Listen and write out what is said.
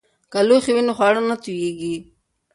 که لوښي وي نو خواړه نه توییږي.